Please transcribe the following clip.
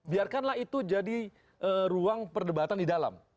biarkanlah itu jadi ruang perdebatan di dalam